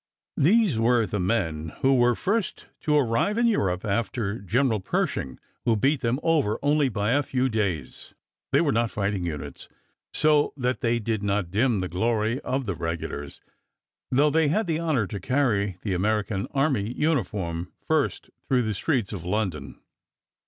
These were the men who were first to arrive in Europe after General Pershing, who beat them over by only a few days. They were not fighting units, so that they did not dim the glory of the Regulars, though they had the honor to carry the American army uniform first through the streets of London.